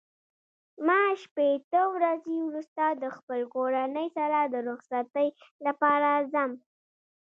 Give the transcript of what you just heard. ما شپېته ورځې وروسته د خپل کورنۍ سره د رخصتۍ لپاره ځم.